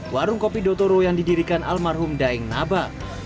warung kopi dotoro yang didirikan almarhum daeng naba